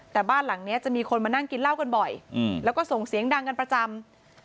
แต่บ้านหลังนี้จะมีคนมานั่งกินเหล้ากันบ่อยแล้วก็ส่งเสียงดังกันประจำ